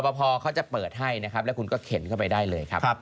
เวลาเค้าจะเปิดให้นะครับแล้วคุณเข้นก็เข้าไปได้เลยครับ